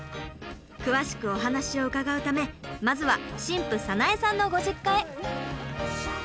詳しくお話を伺うためまずは新婦早苗さんのご実家へ。